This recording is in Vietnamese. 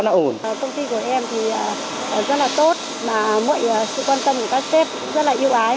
công ty của em thì rất là tốt và mọi sự quan tâm của các sếp cũng rất là yêu ái